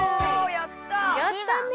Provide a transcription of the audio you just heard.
やったね！